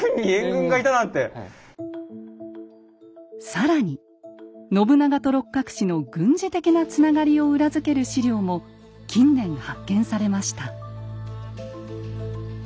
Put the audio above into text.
更に信長と六角氏の軍事的なつながりを裏付ける史料も近年発見されました。